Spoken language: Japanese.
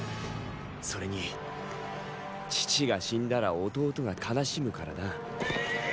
それに父が死んだら弟が悲しむからな。